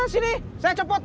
sini saya cepetin